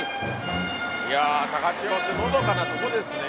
いや高千穂ってのどかなとこですね。